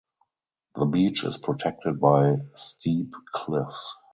The beach is protected by steep cliffs.